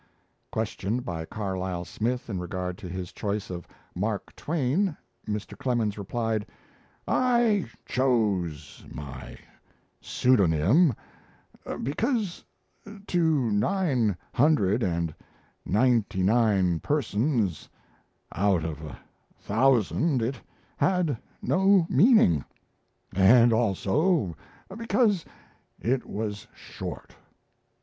Questioned by Carlyle Smith in regard to his choice of "Mark Twain," Mr. Clemens replied: "I chose my pseudonym because to nine hundred and ninety nine persons out of a thousand it had no meaning, and also because it was short.